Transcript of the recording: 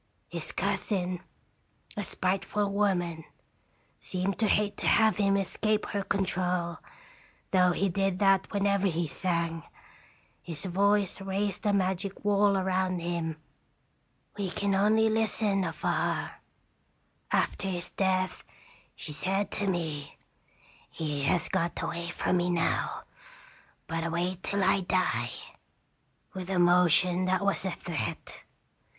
His cousin, a spiteful woman, seemed to hate to have him escape her control, though he did that whenever he sang. His voice raised a magic wall around him we could only listen 306 afar. _ After his death, she said to me, 'He has got away from me now' but wait till I die! 1 with a motion that was a threat.